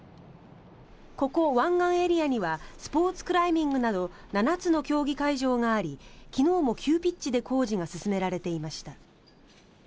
ここ、湾岸エリアにはスポーツクライミングなど７つの競技会場があり昨日も急ピッチで工事が進められていました。